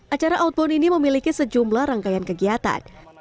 acara outbound ini memiliki sejumlah rangkaian kegiatan